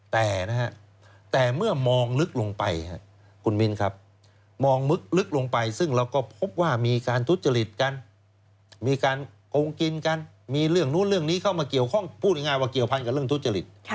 แต่นะฮะแต่เมื่อมองลึกลงไปคุณมินครับมองลึกลงไปซึ่งเราก็พบว่ามีการทุจริตกันมีการโกงกินกันมีเรื่องนู้นเรื่องนี้เข้ามาเกี่ยวข้องพูดง่ายว่าเกี่ยวพันกับเรื่องทุจริต